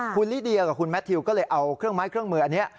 คุณลิเดียกับคุณแมททิวก็เลยเอาเครื่องไม้เครื่องมืออันนี้